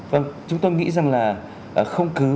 vâng chúng ta nghĩ rằng là không cứ